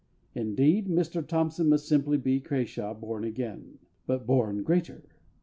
Indeed, Mr THOMPSON must simply be CRASHAW born again, but born greater.